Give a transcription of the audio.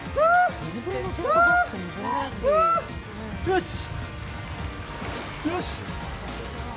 よし！